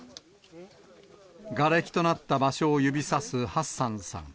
がれきとなった場所を指さすハッサンさん。